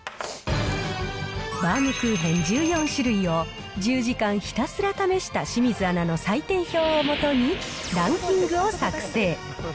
バウムクーヘン１４種類を１０時間ひたすら試した清水アナの採点表を基にランキングを作成。